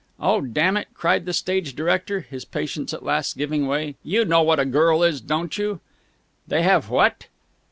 "Oh, damn it!" cried the stage director, his patience at last giving way. "You know what a girl is, don't you?" "They have what?"